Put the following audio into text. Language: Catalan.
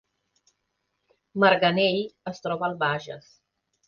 Marganell es troba al Bages